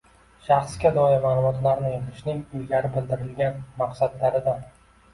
Shaxsga doir ma’lumotlarni yig‘ishning ilgari bildirilgan maqsadlaridan